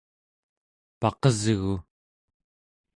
paqesgu